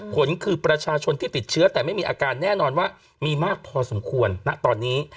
ผลคือประชาชนที่ติดเชื้อแต่ไม่มีอาการแน่นอนว่ามีมากพอสมควรณตอนนี้